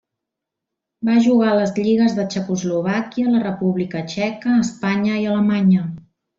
Va jugar a les lligues de Txecoslovàquia, la República Txeca, Espanya i Alemanya.